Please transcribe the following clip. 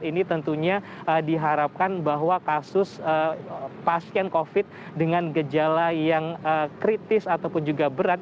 ini tentunya diharapkan bahwa kasus pasien covid dengan gejala yang kritis ataupun juga berat